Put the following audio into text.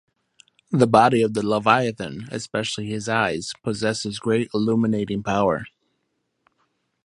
The body of the Leviathan, especially his eyes, possesses great illuminating power.